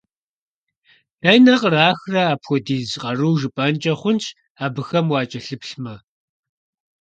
Дэнэ кърахрэ апхуэдиз къару жыпIэнкIи хъунщ, абыхэм уакIэлъыплъмэ!